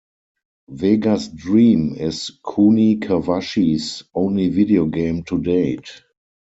Vegas Dream is Kuni Kawachi's only video game to date.